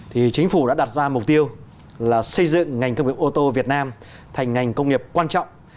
thì chính phủ đã đặt ra mục tiêu là xây dựng ngành công nghiệp ô tô việt nam thành ngành công nghiệp quan trọng